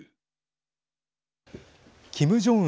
キム・ジョンウン